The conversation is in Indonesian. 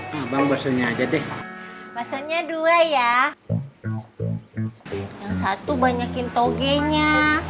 hai abang basuhnya aja deh pasalnya dua ya yang satu banyakin togenya